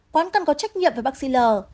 quán cần có trách nhiệm với bác sĩ l